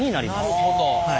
なるほど。